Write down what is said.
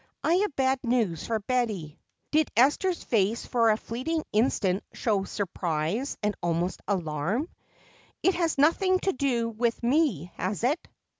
I have bad news for Betty." Did Esther's face for a fleeting instant show surprise and almost alarm? "It has nothing to do with me, has it?"